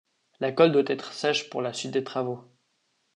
la colle doit être sêche pour la suite des travaux